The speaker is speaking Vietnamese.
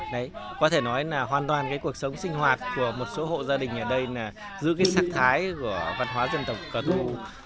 đấy có thể nói là hoàn toàn cái cuộc sống sinh hoạt của một số hộ gia đình ở đây là giữ cái sắc thái của văn hóa dân tộc cờ đô